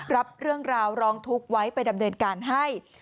รับเรื่องราวร้องทุกข์ไว้ไปดำเนินการให้